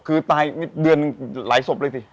คือตายเดือนหลายศพเลยสิ